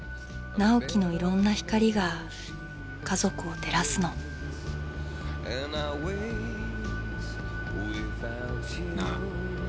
直季のいろんな光が家族を照らすの。なぁ。